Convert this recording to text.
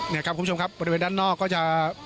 นี่ครับคุณผู้ชมครับบริเวณด้านนอกก็จะ